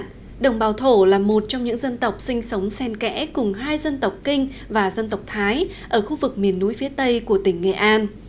trong đó đồng bào thổ là một trong những dân tộc sinh sống sen kẽ cùng hai dân tộc kinh và dân tộc thái ở khu vực miền núi phía tây của tỉnh nghệ an